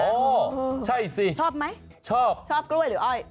โอ้ใช่สิชอบกล้วยหรืออ้อย